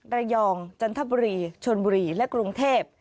จันทบุรีชนบุรีและกรุงเทพ